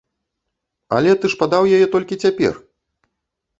Але ты ж падаў яе толькі цяпер!